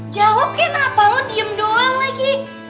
jawab kenapa lo diem doang lagi